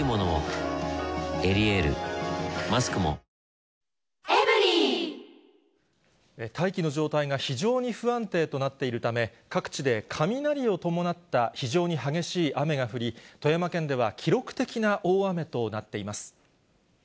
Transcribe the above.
「エリエール」マスクも大気の状態が非常に不安定となっているため、各地で雷を伴った非常に激しい雨が降り、富山県では記録的な大雨となっています。